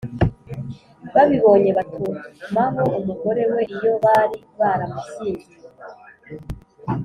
Babibonye batumaho umugore we iyo bari baramushyingiye,